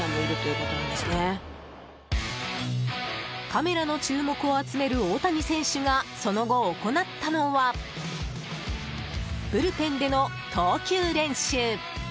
カメラの注目を集める大谷選手がその後、行ったのはブルペンでの投球練習。